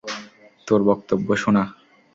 তোর বক্তব্য শুনা।